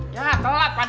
ya kelap pak d